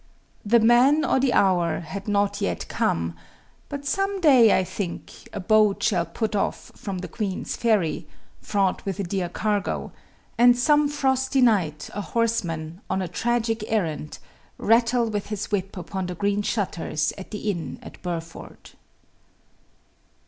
The man or the hour had not yet come; but some day, I think, a boat shall put off from the Queen's ferry, fraught with a dear cargo, and some frosty night a horseman, on a tragic errand, rattle with his whip upon the green shutters at the inn at Burford.